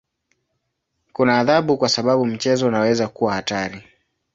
Kuna adhabu kwa sababu mchezo unaweza kuwa hatari.